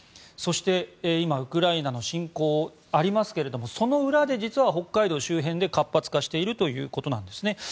そして、今ウクライナの侵攻ありますけれどもその裏で実は北海道周辺で活発化しているということです。